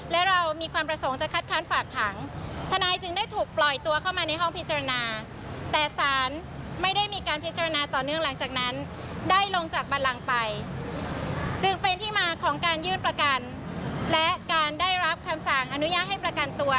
และการได้รับคำสั่งอนุญาตให้ประกันตัว